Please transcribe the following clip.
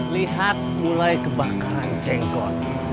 lihat mulai kebakaran jenggot